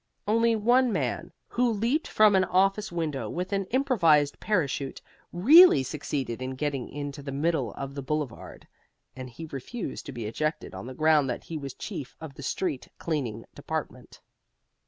Only one man, who leaped from an office window with an improvised parachute, really succeeded in getting into the middle of the Boulevard, and he refused to be ejected on the ground that he was chief of the street cleaning department.